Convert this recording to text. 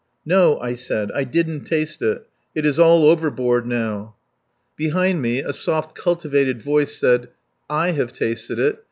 ..." "No," I said. "I didn't taste it. It is all overboard now." Behind me, a soft, cultivated voice said: "I have tasted it.